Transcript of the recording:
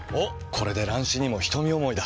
これで乱視にも瞳思いだ。